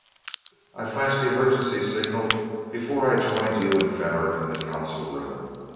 "I flashed the emergency signal before I joined you and Fenor in the council room.